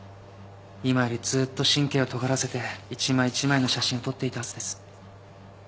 今よりずっと神経をとがらせて１枚１枚の写真を撮っていたはずです。